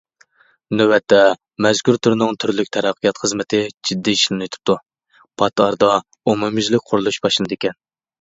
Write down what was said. نۆۋەتتە، مەزكۇر تۈرنىڭ تۈرلۈك تەييارلىق خىزمىتى جىددىي ئىشلىنىۋېتىپتۇ، پات ئارىدا ئومۇميۈزلۈك قۇرۇلۇش باشلىنىدىكەن.